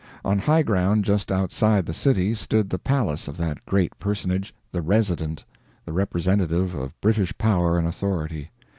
On high ground just outside the city stood the palace of that great personage, the Resident, the representative of British power and authority.